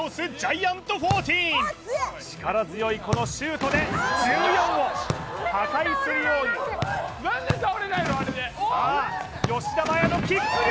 力強いこのシュートで１４を破壊するようにさあ吉田麻也のキック力！